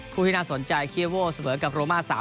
คู่ที่น่าสนใจเคียโวสเวอร์กับโรมา๓๓